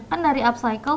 kan dari upcycle